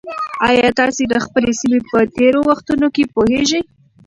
ایا تاسي د خپلې سیمې په تېرو وختونو پوهېږئ؟